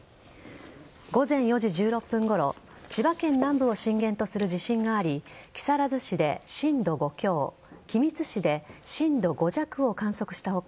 午前４時１６分ごろ千葉県南部を震源とする地震があり木更津市で震度５強君津市で震度５弱を観測した他